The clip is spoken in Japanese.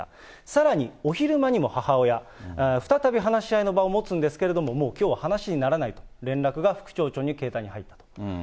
さらにお昼間にも母親、再び話し合いの場を持つんですけれども、もうきょうは話にならないと連絡が副町長の携帯に入ったと。